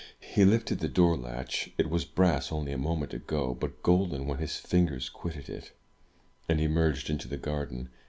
He lifted the door latch (it was brass only a moment ago, but golden when his fingers quitted it), and emerged into the garden.